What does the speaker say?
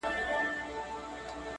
د انصاف نه بلکې د زور او وحشت ټولنه ده